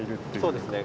そうですね。